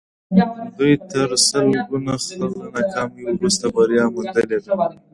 دوی تر سلګونه ځله ناکامیو وروسته بریا موندلې ده